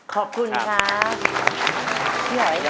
ขอบคุณครับ